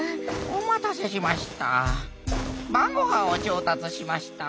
お待たせしました。